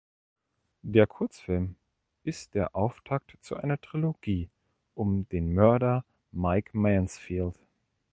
Der Kurzfilm ist der Auftakt zu einer Trilogie um den Mörder Mike Mansfield.